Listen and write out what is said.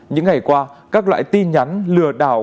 những ngày qua các loại tin nhắn lừa đảo